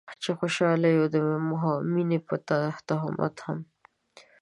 چې خوشحاله يو د مينې په تهمت هم